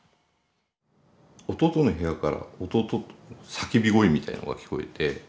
弟の部屋から弟の叫び声みたいなのが聞こえて。